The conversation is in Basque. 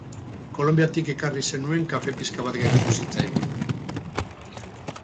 Kolonbiatik ekarri zenuen kafe pixka bat geratu zitzaigun.